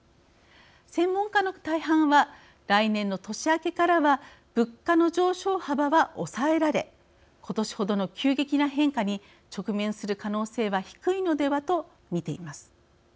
専門家の大半は来年の年明けからは物価の上昇幅は抑えられ今年程の急激な変化に直面する可能性は低いのではと見ています。